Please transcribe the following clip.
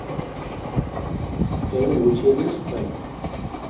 Ehun gutxienez, bai.